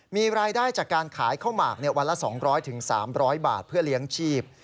มีรายได้จากการขายข้าวหมากวันละ๒๐๐๓๐๐บาทเพื่อเลี้ยงชีพ